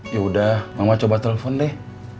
ya udah mama coba telepon deh